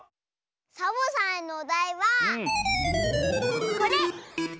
サボさんのおだいはこれ！